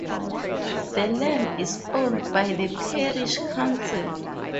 The land is owned by the Parish Council.